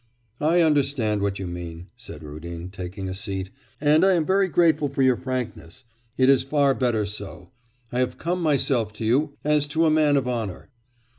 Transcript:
'I understand what you mean,' said Rudin, taking a seat, 'and am very grateful for your frankness. It is far better so. I have come myself to you, as to a man of honour.